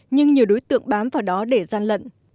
nhưng nhiều đối tượng bám vào đó để gian lận